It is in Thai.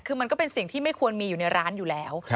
คือมันก็เป็นสิ่งที่ไม่ควรมีอยู่ในร้านอยู่แล้ว